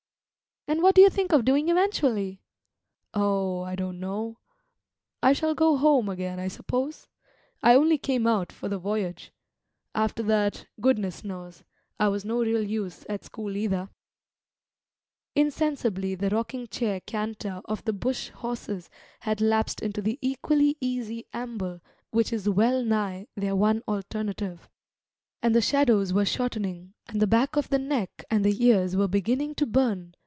"And what do you think of doing eventually?" "Oh, I don't know. I shall go home again, I suppose; I only came out for the voyage. After that, goodness knows; I was no real use at school either." Insensibly the rocking chair canter of the bush horses had lapsed into the equally easy amble which is well nigh their one alternative; and the shadows were shortening, and the back of the neck and the ears were beginning to burn.